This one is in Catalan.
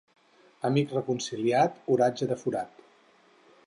Amic reconciliat, oratge de forat.